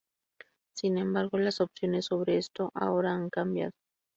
Sin embargo, las opiniones sobre esto ahora han cambiado.